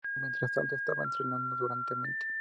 Frazier, mientras tanto, estaba entrenando duramente.